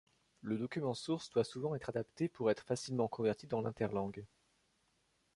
Le document source doit souvent être adapté pour être facilement converti dans l'interlangue.